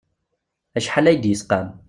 Acḥal ad yi-id-yesqam.